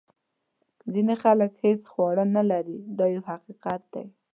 ځینې خلک هیڅ خواړه نه لري دا یو حقیقت دی.